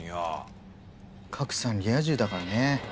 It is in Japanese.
賀来さんリア充だからね。